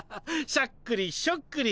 しゃっくりしょっくり。